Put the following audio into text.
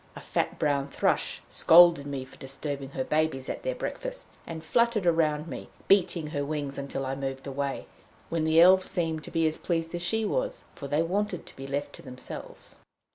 A fat brown thrush scolded me for disturbing her babies at their breakfast, and fluttered round me, beating her wings, until I moved away, when the Elves seemed to be as pleased as she was, for they wanted to be left to themselves.